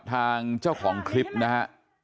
ทางเจ้าของคลิปนะฮะ